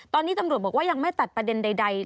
ตอนนี้ตำรวจบอกว่ายังไม่ตัดประเด็นใด